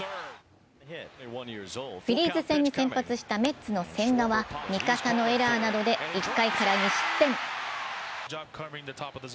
フィリーズ戦に先発したメッツの千賀は味方のエラーなどで１回から２失点。